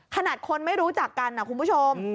ขนาดคนไม่รู้จักกันนะคุณผู้ชม